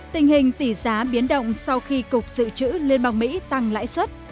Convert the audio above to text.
tình hình tỷ giá biến động sau khi cục dự trữ liên bang mỹ tăng lãi suất